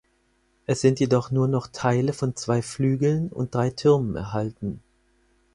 Es sind jedoch nur noch Teile von zwei Flügeln und drei Türmen erhalten.